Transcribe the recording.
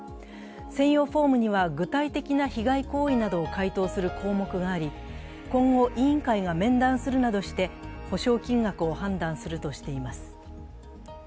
専用フォームには具体的な被害行為などを回答する項目があり、今後、委員会が面談するなどして補償金額を判断するとしています。